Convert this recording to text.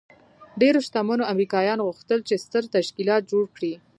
ډېرو شتمنو امريکايانو غوښتل چې ستر تشکيلات جوړ کړي.